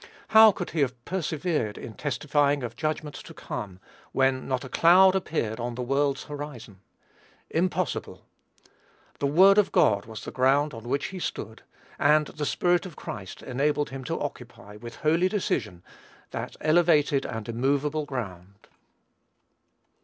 How could he have persevered in testifying of "judgment to come," when not a cloud appeared on the world's horizon? Impossible. The word of God was the ground on which he stood, and "the Spirit of Christ" enabled him to occupy, with holy decision, that elevated and immovable ground.